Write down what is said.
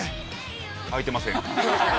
はいてません。